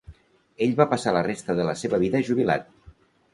Ell va passar la resta de la seva vida jubilat.